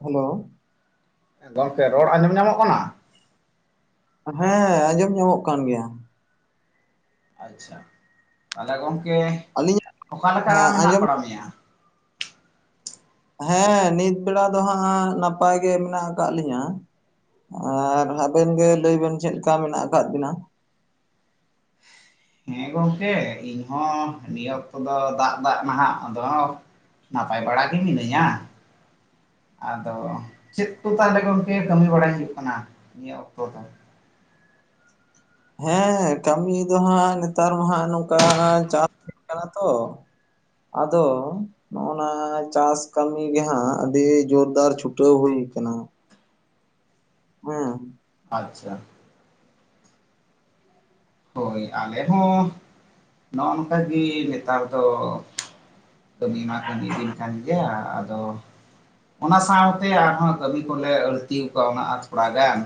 Hello ᱜᱚᱝᱠᱮ ᱨᱚᱲ ᱟᱸᱡᱚᱢ ᱧᱟᱢᱚᱜ ᱠᱟᱱᱟ᱾ ᱦᱮᱸ ᱟᱸᱡᱚᱢ ᱧᱟᱢᱚᱜ ᱠᱟᱱ ᱜᱮᱭᱟ᱾ ᱟᱪᱪᱷᱟ ᱛᱟᱦᱚᱞᱮ ᱜᱚᱝᱠᱮ ᱟᱹᱞᱤᱧᱟᱜ ᱚᱠᱟᱞᱮᱠᱟ ᱦᱮᱸ, ᱢᱮᱱᱟᱜ ᱟᱸᱡᱚᱢ ᱵᱟᱲᱟ ᱢᱮᱭᱟ᱾ ᱦᱮᱸ ᱱᱤᱛ ᱵᱮᱲᱟ ᱫᱚ ᱦᱟᱸᱜ ᱱᱟᱯᱟᱭ ᱜᱮ ᱢᱮᱱᱟᱜ ᱟᱠᱟᱫ ᱞᱤᱧᱟᱸ᱾ ᱟᱨ ᱟᱵᱮᱱ ᱜᱮ ᱞᱟᱹᱭ ᱵᱮᱱ ᱪᱮᱫ ᱞᱮᱠᱟ ᱢᱮᱱᱟᱜ ᱟᱠᱟᱫ ᱵᱤᱱᱟ᱾ ᱦᱮᱸ ᱜᱚᱢᱠᱮ ᱤᱧᱦᱚᱸ ᱱᱤᱭᱟᱹ ᱚᱠᱛᱚ ᱫᱚ ᱫᱟᱜ ᱫᱟᱜ ᱱᱟᱦᱟᱜ ᱟᱫᱚ ᱱᱟᱯᱟᱭ ᱵᱟᱲᱟ ᱜᱮ ᱢᱤᱱᱟᱹᱧᱟ᱾ ᱟᱫᱚ ᱪᱮᱫ ᱠᱚ ᱛᱟᱦᱚᱞᱮ ᱜᱚᱢᱠᱮ ᱠᱟᱹᱢᱤ ᱵᱟᱲᱟᱭ ᱦᱩᱭᱩᱜ ᱠᱟᱱᱟ ᱱᱤᱭᱟᱹ ᱚᱠᱛᱚ ᱫᱚ᱾ ᱦᱮᱸ ᱠᱟᱹᱢᱤ ᱫᱚ ᱦᱟᱸᱜ ᱱᱮᱛᱟᱨ ᱢᱟ ᱦᱟᱜ ᱱᱚᱝᱠᱟ ᱪᱟᱥ ᱦᱩᱭ ᱠᱟᱱᱟ ᱛᱚ᱾ ᱟᱫᱚ ᱱᱚᱜ-ᱱᱟ ᱪᱟᱥ ᱠᱟᱹᱢᱤ ᱜᱮ ᱦᱟᱸᱜ ᱟᱹᱰᱤ ᱡᱳᱨᱫᱟᱨ ᱪᱷᱩᱴᱟᱹᱣ ᱦᱩᱭ ᱟᱠᱟᱱᱟ ᱦᱮᱸ ᱟᱪᱪᱷᱟ ᱦᱳᱭ ᱟᱞᱮ ᱦᱚᱸ ᱱᱚᱜᱼᱱᱚᱝᱠᱟᱜᱮ ᱱᱮᱛᱟᱨ ᱫᱚ ᱠᱟᱹᱢᱤ ᱢᱟ ᱠᱟᱹᱢᱤ ᱫᱤᱱ ᱠᱟᱱ ᱜᱮᱭᱟ ᱟᱫᱚ ᱚᱱᱟ ᱥᱟᱶᱛᱮ ᱟᱨᱦᱚᱸ ᱠᱟᱹᱢᱤ ᱠᱚᱞᱮ ᱟᱹᱲᱛᱤ ᱠᱟᱣᱱᱟᱜ-ᱟ ᱛᱷᱚᱲᱟ ᱜᱟᱱ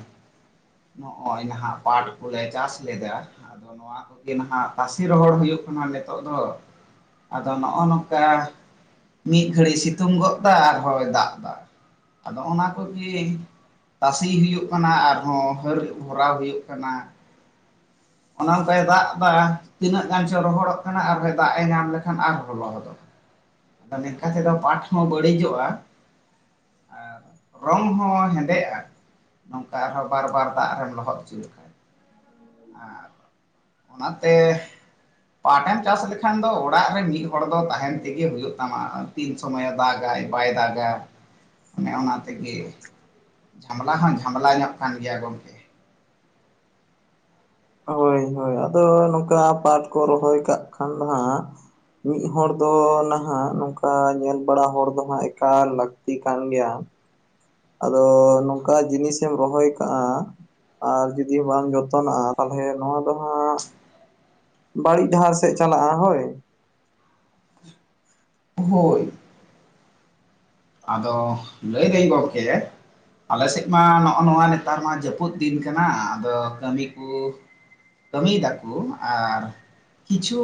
ᱱᱚᱜ -ᱚᱭ ᱱᱟᱦᱟᱜ ᱯᱟᱴ ᱠᱚᱞᱮ ᱪᱟᱥ ᱞᱮᱫᱟ ᱟᱫᱚ ᱱᱚᱣᱟ ᱠᱚᱜᱤ ᱱᱟᱦᱟᱜ ᱛᱟᱥᱤ ᱨᱚᱦᱚᱲ ᱦᱩᱭᱩᱜ ᱠᱟᱱᱟ ᱱᱤᱛᱚᱜ ᱫᱚ, ᱟᱫᱚ ᱱᱚᱜᱼᱚ ᱱᱚᱝᱠᱟ ᱢᱤᱫ ᱜᱷᱟᱹᱲᱤᱡ ᱥᱤᱛᱩᱝ ᱜᱚᱫ ᱫᱟ ᱟᱨ ᱦᱚᱸᱭ ᱫᱟᱜ ᱫᱟ ᱾ ᱟᱫᱚ ᱚᱱᱟ ᱠᱚᱜᱤ ᱛᱟᱥᱤᱭ ᱦᱩᱭᱩᱜ ᱠᱟᱱᱟ ᱟᱨᱦᱚᱸ ᱦᱟᱹᱨ ᱵᱷᱚᱨᱟᱣ ᱦᱩᱭᱩᱜ ᱠᱟᱱᱟ ᱾ ᱚᱱᱮ ᱚᱱᱠᱟᱭ ᱫᱟᱜ ᱫᱟ ᱛᱤᱱᱟᱹᱜ ᱜᱟᱱ ᱪᱚ ᱨᱚᱦᱚᱲᱚᱜ ᱠᱟᱱᱟ ᱟᱨᱦᱚᱭᱸ ᱫᱟᱜ ᱮ ᱧᱟᱢ ᱞᱮᱠᱷᱟᱱ ᱟᱨ ᱦᱚᱸ ᱞᱚᱦᱚᱫ [inaudible] ᱟᱫᱚ ᱱᱮᱠᱟ ᱛᱮᱫᱚ ᱯᱟᱴ ᱦᱚᱸ ᱵᱟᱹᱲᱤᱡᱚᱜᱼᱟ ᱟᱨ ᱨᱚᱝ ᱦᱚᱸ ᱦᱮᱸᱫᱮᱜᱼᱟ ᱱᱚᱝᱠᱟ ᱟᱨᱦᱚᱸ ᱵᱟᱨ ᱵᱟᱨ ᱫᱟᱜ ᱨᱮᱢ ᱞᱚᱦᱚᱫ ᱦᱚᱪᱚ ᱞᱮᱠᱷᱟᱱ ᱟᱨ ᱚᱱᱟᱛᱮ ᱯᱟᱴᱮᱢ ᱪᱟᱥ ᱞᱮᱠᱷᱟᱱ ᱫᱚ ᱚᱲᱟᱜ ᱨᱮ ᱢᱤᱫ ᱦᱚᱲ ᱫᱚ ᱛᱟᱦᱮᱸᱱ ᱛᱮᱜᱮ ᱦᱩᱭᱩᱜ ᱛᱟᱢᱟ ᱾ ᱛᱤᱱ ᱥᱚᱢᱚᱭᱮ ᱫᱟᱜᱟᱭ ᱵᱟᱭ ᱫᱟᱜᱟ ᱚᱱᱮ ᱚᱱᱟ ᱛᱮᱜᱮ ᱡᱷᱟᱢᱞᱟ ᱦᱚᱸ ᱡᱷᱟᱢᱞᱟ ᱧᱚᱜ ᱠᱟᱱ ᱜᱮᱭᱟ ᱜᱚᱝᱠᱮ ᱦᱳᱭ ᱦᱳᱭ ᱟᱫᱚ ᱱᱚᱝᱠᱟ ᱯᱟᱴ ᱠᱚ ᱨᱚᱦᱚᱭ ᱠᱟᱜ ᱠᱷᱟᱱ ᱫᱚ ᱦᱟᱸᱜ ᱢᱤᱫ ᱦᱚᱲ ᱫᱚ ᱱᱟᱦᱟᱜ ᱱᱚᱝᱠᱟ ᱧᱮᱞ ᱵᱟᱲᱟ ᱦᱚᱲ ᱫᱚ ᱦᱟᱸᱜ ᱮᱠᱟᱞ ᱞᱟᱹᱠᱛᱤ ᱠᱟᱱ ᱜᱮᱭᱟ ᱾ ᱟᱫᱚ ᱱᱚᱝᱠᱟ ᱡᱤᱱᱤᱥᱮᱢ ᱨᱚᱦᱚᱭ ᱠᱟᱜᱼᱟ ᱟᱨ ᱡᱩᱫᱤ ᱵᱟᱢ ᱡᱚᱛᱚᱱᱟᱜᱼᱟ ᱛᱟᱦᱚᱞᱮ ᱱᱚᱣᱟ ᱫᱚ ᱦᱟᱸᱜ ᱵᱟᱲᱤᱡ ᱰᱟᱦᱟᱨ ᱥᱮᱫ ᱪᱟᱞᱟᱜᱼᱟ ᱦᱳᱭ ᱦᱳᱭ, ᱟᱫᱚ ᱞᱟᱹᱭᱫᱟᱹᱧ ᱜᱚᱝᱠᱮ ᱟᱞᱮ ᱥᱮᱫ ᱢᱟ ᱱᱚᱜᱼᱚ ᱱᱚᱣᱟ ᱱᱮᱛᱟᱨ ᱢᱟ ᱡᱟᱹᱯᱩᱫ ᱫᱤᱱ ᱠᱟᱱᱟ ᱟᱫᱚ ᱠᱟᱹᱢᱤ ᱠᱩ ᱠᱟᱹᱢᱤᱭ ᱫᱟᱠᱩ ᱟᱨ ᱠᱤᱪᱷᱩ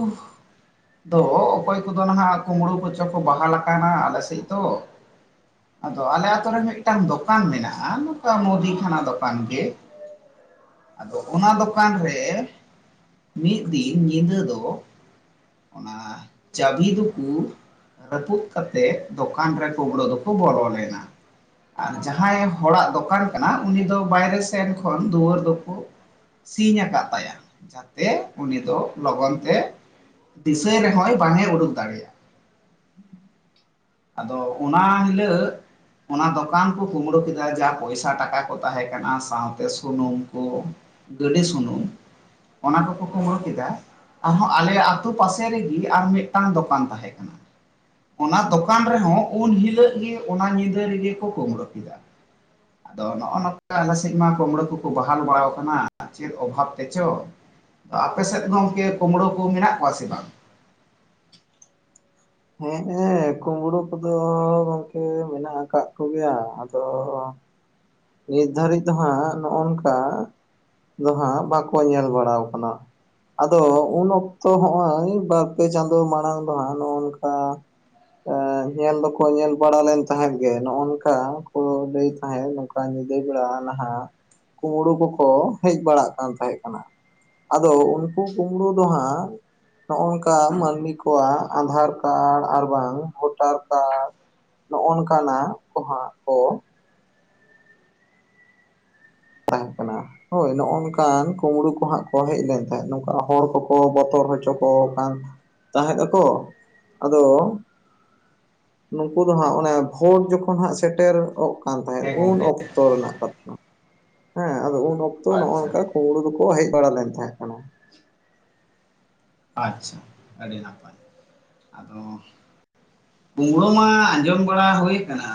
ᱫᱚ ᱚᱠᱚᱭ ᱠᱚᱫᱚ ᱱᱟᱦᱟᱜ ᱠᱩᱢᱵᱽᱲᱩ ᱠᱚᱪᱚ ᱠᱚ ᱵᱟᱦᱟᱞ ᱟᱠᱟᱱᱟ ᱟᱞᱮ ᱥᱮᱫ ᱫᱚ ᱟᱫᱚ ᱟᱞᱮ ᱟᱛᱩ ᱨᱮ ᱢᱤᱫᱴᱟᱱ ᱫᱚᱠᱟᱱ ᱢᱮᱱᱟᱜᱼᱟ ᱱᱚᱝᱠᱟ ᱢᱩᱫᱤ ᱠᱷᱟᱱᱟ ᱫᱚᱠᱟᱱ ᱜᱤ ᱟᱫᱚ ᱚᱱᱟ ᱫᱚᱠᱟᱱ ᱨᱮ ᱢᱤᱫ ᱫᱤᱱ ᱧᱤᱫᱟᱹ ᱫᱚ ᱚᱱᱟ ᱪᱟᱹᱵᱷᱤ ᱫᱩᱠᱩ ᱨᱟᱹᱯᱩᱫ ᱠᱟᱛᱮᱫ ᱫᱚᱠᱟᱱ ᱨᱮ ᱠᱩᱢᱵᱽᱲᱩ ᱫᱚᱠᱚ ᱵᱚᱞᱚ ᱞᱮᱱᱟ᱾ ᱟᱨ ᱡᱟᱦᱟᱸᱭ ᱦᱚᱲᱟᱜ ᱫᱚᱠᱟᱱ ᱠᱟᱱᱟ ᱩᱱᱤ ᱫᱚ ᱵᱟᱭᱨᱮ ᱥᱮᱱ ᱠᱷᱚᱱ ᱫᱩᱣᱟᱹᱨ ᱫᱚᱠᱩ ᱥᱤᱧ ᱟᱠᱟᱫ ᱛᱟᱭᱟ ᱠᱩ ᱡᱟᱛᱮ ᱩᱱᱤ ᱫᱚ ᱞᱚᱜᱚᱱ ᱛᱮ ᱫᱤᱥᱟᱹᱭ ᱨᱮᱦᱚᱸᱭ ᱵᱟᱝᱮ ᱩᱰᱩᱠ ᱫᱟᱲᱮᱭᱟᱜ ᱟᱫᱚ ᱚᱱᱟ ᱦᱤᱞᱟᱹᱜ ᱚᱱᱟ ᱫᱚᱠᱟᱱ ᱠᱩ ᱠᱩᱢᱵᱽᱲᱩ ᱠᱮᱫᱟ ᱡᱟ ᱯᱚᱭᱥᱟ ᱴᱟᱠᱟ ᱠᱚ ᱛᱟᱦᱮᱸ ᱠᱟᱱᱟ ᱥᱟᱶᱛᱮ ᱥᱩᱱᱩᱢ ᱠᱩ ᱜᱟᱹᱰᱤ ᱥᱩᱱᱩᱢ ᱚᱱᱟ ᱠᱚᱠᱚ ᱠᱩᱢᱵᱽᱲᱩ ᱠᱮᱫᱟ ᱟᱨᱦᱚᱸ ᱟᱞᱮᱭᱟᱜ ᱟᱛᱳ ᱯᱟᱥᱮ ᱨᱮᱜᱮ ᱟᱨ ᱢᱤᱫᱴᱟᱝ ᱫᱚᱠᱟᱱ ᱛᱟᱦᱮᱸ ᱠᱟᱱᱟ ᱚᱱᱟ ᱫᱚᱠᱟᱱ ᱨᱮᱦᱚᱸ ᱩᱱ ᱦᱤᱞᱟᱹᱜ ᱜᱮ ᱚᱱᱟ ᱧᱤᱫᱟᱹ ᱨᱮᱜᱮ ᱠᱚ ᱠᱳᱢᱵᱽᱲᱳ ᱠᱮᱫᱟ [inaudible] ᱟᱫᱚ ᱱᱚᱜ-ᱱᱚᱝᱠᱟ ᱟᱞᱮ ᱥᱮᱫ ᱢᱟ ᱠᱳᱢᱵᱲᱳ ᱠᱚᱠᱚ ᱵᱟᱦᱟᱞ ᱵᱟᱲᱟᱣ ᱠᱟᱱᱟ ᱪᱮᱫ ᱚᱵᱷᱟᱵ ᱛᱮᱪᱚ ᱟᱯᱮ ᱥᱮᱫ ᱜᱚᱝᱠᱮ ᱠᱳᱢᱵᱽᱲᱳ ᱠᱚ ᱢᱮᱱᱟᱜ ᱠᱚᱣᱟ ᱥᱮ ᱵᱟᱝ? ᱦᱮᱸᱜ ᱮ ᱠᱩᱵᱽᱲᱩ ᱠᱚᱫᱚ ᱜᱚᱢᱠᱮ ᱢᱮᱱᱟᱜ ᱟᱠᱟᱫ ᱠᱚᱜᱮᱭᱟ ᱟᱫᱚ, ᱱᱤᱛ ᱫᱷᱟᱹᱨᱤᱡ ᱫᱚ ᱦᱟᱸᱜ ᱱᱚᱜ-ᱱᱚᱝᱠᱟ ᱾ ᱫᱚ ᱦᱟᱸᱜ ᱵᱟᱠᱚ ᱧᱮᱞ ᱵᱟᱲᱟᱣ ᱟᱠᱟᱱᱟ ᱾ ᱟᱫᱚ ᱩᱱ ᱚᱠᱛᱚ ᱦᱚᱸᱜᱼᱚᱭ ᱵᱟᱨᱯᱮ ᱪᱟᱸᱫᱚ ᱢᱟᱲᱟᱝ ᱫᱚ ᱦᱟᱸᱜ ᱱᱚᱜᱼᱚ ᱱᱚᱝᱠᱟ ᱾ ᱚᱻ ᱮᱧ, ᱧᱮᱞ ᱫᱚᱠᱚ ᱧᱮᱞ ᱵᱟᱲᱟ ᱞᱮᱱ ᱛᱟᱦᱮᱸᱫ ᱜᱮ ᱱᱚᱜ-ᱚ ᱱᱚᱝᱠᱟ ᱠᱚ ᱞᱟᱹᱭ ᱛᱟᱦᱮᱸᱫ, ᱱᱚᱝᱠᱟ ᱚᱠᱟ ᱧᱤᱫᱟᱹ ᱵᱮᱲᱟ ᱱᱟᱦᱟᱜ ᱠᱩᱢᱲᱳ ᱠᱚ ᱠᱚ ᱦᱮᱡ ᱵᱟᱲᱟᱜ ᱠᱟᱱ ᱛᱟᱦᱮᱸ ᱠᱟᱱᱟ ᱾ ᱟᱫᱚ ᱩᱱᱠᱩ ᱠᱩᱵᱽᱲᱩ ᱫᱚ ᱦᱟᱸᱜ ᱱᱚᱝᱠᱟ ᱢᱟᱹᱱᱢᱤ ᱠᱚᱣᱟᱜ ᱟᱸᱫᱷᱟᱨ ᱠᱟᱨᱰ ᱟᱨ ᱵᱟᱝ ᱵᱷᱳᱴᱟᱨ ᱠᱟᱨᱰ ᱱᱚᱜᱼᱚ ᱱᱚᱝᱠᱟᱱᱟᱜ ᱠᱚ ᱦᱟᱸᱜ ᱠᱚ ᱛᱟᱦᱮᱸ ᱠᱟᱱᱟ ᱾ ᱦᱳᱭ ᱱᱚᱜᱼᱚ ᱱᱚᱝᱠᱟᱱ ᱠᱩᱢᱵᱽᱲᱩ ᱠᱚ ᱦᱟᱸᱜ ᱠᱚ ᱦᱮᱡ ᱞᱮᱱ ᱛᱟᱦᱮᱸᱫ ᱱᱚᱝᱠᱟ ᱦᱚᱲ ᱠᱚ ᱠᱚ ᱵᱚᱛᱚᱨ ᱦᱚᱪᱚ ᱠᱚ ᱠᱟᱱ ᱾ ᱛᱟᱦᱮᱸᱫ ᱟᱠᱚ ᱟᱫᱚ, ᱱᱩᱠᱩ ᱫᱚ ᱦᱟᱸᱜ ᱚᱱᱮ ᱵᱷᱳᱴ ᱡᱚᱠᱷᱚᱱ ᱦᱟᱸᱜ ᱥᱮᱴᱮᱨᱚᱜ ᱠᱟᱱ ᱛᱟᱦᱮᱸᱫ ᱦᱮᱸ ᱩᱱ ᱜᱚᱝᱠᱮ ᱚᱠᱛᱚ ᱨᱮᱱᱟᱜ ᱠᱟᱛᱷᱟ ᱾ ᱦᱮᱸ ᱟᱫᱚ ᱩᱱ ᱚᱠᱛᱚ ᱱᱚᱜ-ᱚ ᱟᱪᱪᱷᱟ ᱱᱚᱝᱠᱟ ᱠᱩᱢᱲᱩ ᱫᱚ ᱠᱚ ᱦᱮᱡ ᱵᱟᱲᱟ ᱞᱮᱱ ᱛᱟᱦᱮᱸᱫ ᱠᱟᱱᱟ ᱾ ᱟᱪᱪᱷᱟ, ᱟᱹᱰᱤ ᱱᱟᱯᱟᱭ ᱟᱫᱚ [unintelligible] ᱠᱩᱢᱲᱳ ᱢᱟ ᱟᱸᱡᱚᱢ ᱵᱟᱲᱟ ᱦᱳᱭ ᱟᱠᱟᱱᱟ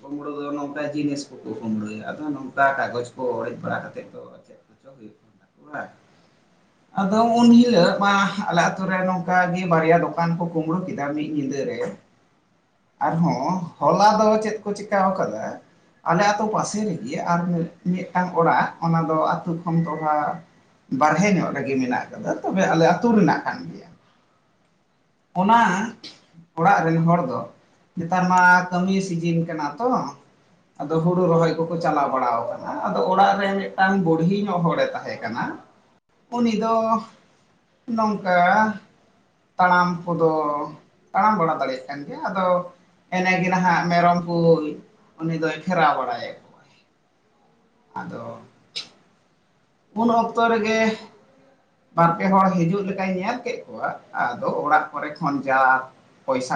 ᱠᱩᱢᱲᱳ ᱫᱚ ᱱᱚᱝᱠᱟ ᱡᱤᱱᱤᱥ ᱠᱚ ᱠᱩ ᱠᱩᱢᱲᱳᱭᱟ ᱟᱫᱚ ᱱᱚᱝᱠᱟ ᱠᱟᱜᱚᱡᱽ ᱠᱚ ᱚᱲᱮᱡ ᱵᱟᱲᱟ ᱠᱟᱛᱮᱫ ᱫᱚ ᱟᱨ ᱪᱮᱫ ᱪᱮᱫ ᱦᱳᱭᱳᱜ ᱠᱟᱱ ᱛᱟᱠᱚᱣᱟ, ᱟᱫᱚ ᱩᱱ ᱤᱭᱟᱹ ᱢᱟ ᱟᱞᱮ ᱟᱛᱳ ᱨᱮ ᱱᱚᱝᱠᱟᱜᱮ ᱵᱟᱨᱭᱟ ᱫᱚᱠᱟᱱ ᱠᱚ ᱠᱩᱢᱵᱽᱲᱳ ᱠᱮᱫᱟ ᱢᱤᱫ ᱧᱤᱫᱟᱹ ᱨᱮ, ᱟᱨᱦᱚᱸ ᱦᱚᱞᱟ ᱫᱚ ᱪᱮᱫ ᱠᱚ ᱪᱤᱠᱟᱹᱣ ᱠᱟᱫᱟ, ᱟᱞᱮ ᱟᱛᱳ ᱯᱟᱥᱮ ᱨᱮ ᱜᱮ ᱟᱨ ᱢᱤᱫᱴᱟᱝ ᱚᱲᱟᱜ ᱚᱱᱟ ᱫᱚ ᱟᱹᱛᱳ ᱠᱷᱚᱱ ᱛᱚᱲᱟ ᱵᱟᱦᱨᱮ ᱧᱚᱜ ᱨᱮ ᱜᱮ ᱢᱮᱱᱟᱜ ᱠᱟᱫᱟ ᱛᱚᱵᱮ ᱟᱞᱮ ᱟᱹᱛᱩ ᱨᱮᱱᱟᱜ ᱠᱟᱱ ᱜᱮᱭᱟ, ᱚᱱᱟ ᱚᱲᱟᱜ ᱨᱮᱱ ᱦᱚᱲ ᱫᱚ ᱱᱮᱛᱟᱨ ᱢᱟ ᱠᱟᱹᱢᱤ ᱥᱤᱡᱤᱱ ᱠᱟᱱᱟ ᱛᱚ, ᱟᱫᱚ ᱦᱳᱲᱳ ᱨᱚᱦᱚᱭ ᱠᱚᱠᱚ ᱪᱟᱞᱟᱣ ᱵᱟᱲᱟ ᱟᱠᱟᱱᱟ ᱟᱫᱚ ᱚᱲᱟᱜ ᱨᱮ ᱢᱤᱫᱴᱟᱝ ᱵᱩᱲᱦᱤ ᱧᱚᱜ ᱦᱚᱲᱮ ᱛᱟᱦᱮᱸ ᱠᱟᱱᱟ, ᱩᱱᱤ ᱫᱚ ᱱᱚᱝᱠᱟ ᱛᱟᱲᱟᱢ ᱠᱚ ᱫᱚ ᱛᱟᱲᱟᱢ ᱵᱟᱲᱟ ᱫᱟᱲᱮᱭᱟᱜ ᱠᱟᱱ ᱜᱮᱭᱟ, ᱟᱫᱚ ᱮᱱᱮ ᱜᱮ ᱱᱟᱦᱟᱜ ᱢᱮᱨᱚᱢ ᱠᱚᱭ ᱩᱱᱤ ᱫᱚᱭ ᱜᱷᱮᱨᱟᱣ ᱵᱟᱲᱟᱭᱮᱜ ᱠᱚᱣᱟ, ᱟᱫᱚ ᱩᱱ ᱚᱠᱛᱚ ᱨᱮ ᱜᱮ ᱵᱟᱨᱯᱮ ᱦᱚᱲ ᱦᱤᱡᱩᱜ ᱞᱮᱠᱟᱭ ᱧᱮᱞ ᱠᱮᱫ ᱠᱚᱣᱟ ᱟᱫᱚ ᱚᱲᱟᱜ ᱠᱚᱨᱮ ᱠᱷᱚᱱ ᱡᱟ ᱯᱚᱭᱥᱟ